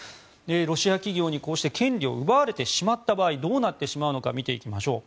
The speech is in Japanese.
ロシア企業にこうして権利を奪われてしまった場合どうなってしまうのか見ていきましょう。